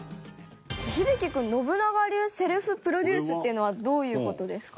響大君「信長流！？セルフプロデュース」っていうのはどういう事ですか？